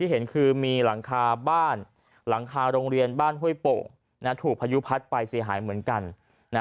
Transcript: หลังคาโรงเรียนบ้านห้วยโป่งถูกพยุพัดไปเสียหายเหมือนกัน